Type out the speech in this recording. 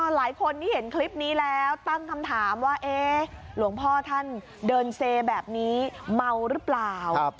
หลายคนที่เห็นคลิปนี้แล้วตั้งคำถามว่าหลวงพ่อท่านเดินเซแบบนี้เมาหรือเปล่า